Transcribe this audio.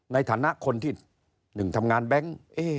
ในฐานะคนที่๑ทำงานแบงค์